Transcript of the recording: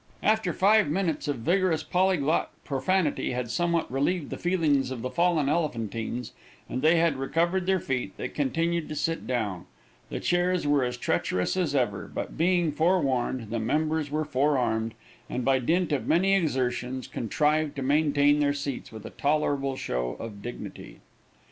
After five minutes of vigorous polyglot profanity had somewhat relieved the feelings of the fallen Elephantines, and they had recovered their feet, they contrived to sit down; the chairs were as treacherous as ever, but being forewarned, the members were forearmed, and by dint of many exertions, contrived to maintain their seats with a tolerable show of dignity.